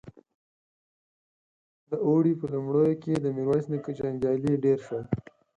د اوړي په لومړيو کې د ميرويس نيکه جنګيالي ډېر شول.